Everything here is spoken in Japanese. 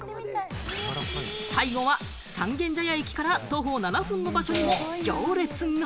最後は三軒茶屋駅から徒歩７分の場所にも行列が。